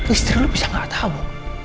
istri lu bisa gak tahu